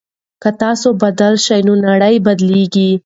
که تاسو بدل شئ نو نړۍ بدليږي.